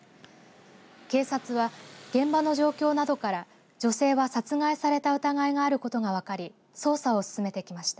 警察は現場の状況などから女性は殺害された疑いがあることが分かり捜査を進めてきました。